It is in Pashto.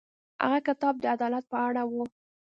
هغه کتاب د عدالت په اړه و.